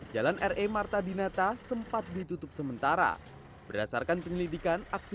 jalan re marta dinata sempat ditutup sementara berdasarkan penyelidikan aksi